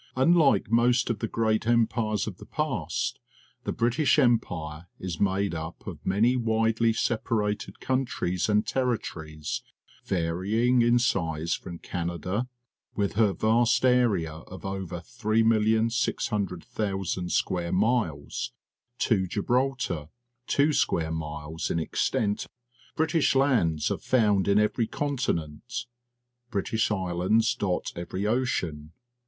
Unlike most of the great em pires of the past, the British Empire is made up of many widely separated countries and territories, varying in size from Canada, with her vast area of over 3,600,000 square miles, to Gibraltar, two square miles in extent. British lands are found in every continent. British islands dot every ocean.